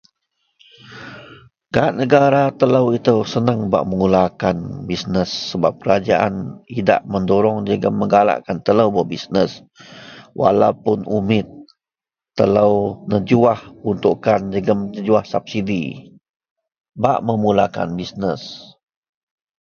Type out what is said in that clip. Gak negara telou itou seneng bak memulakan bisnes sebab kerajaan idak mendorong jegem menggalakkan telou berbisnes walaupuun umit. Telou nejuwah peruntukkan jegem nejuwah sabsidi bak memulakan bisnes.